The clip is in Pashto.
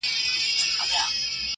ستا آواز به زه تر عرشه رسومه!!